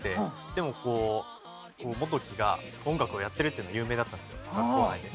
でもこう元貴が音楽をやってるっていうのは有名だったんですよ学校内で。